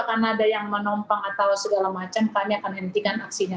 karena ada yang menompang atau segala macam kami akan hentikan aksinya